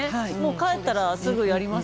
帰ったらすぐやります。